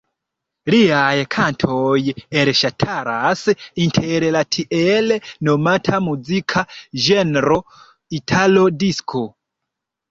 Liaj kantoj elstaras inter la tiel nomata muzika ĝenro italo-disko.